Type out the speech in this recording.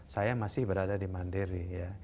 saya masih berada di mandiri ya